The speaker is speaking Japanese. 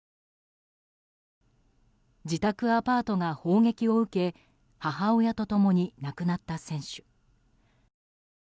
自宅アパートが砲撃を受け母親と共に亡くなった選手。